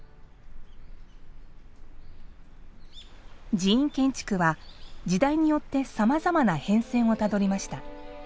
寺院建築は、時代によってさまざまな変遷をたどりました。